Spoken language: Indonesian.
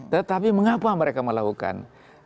tetapi mengapa mereka melakukan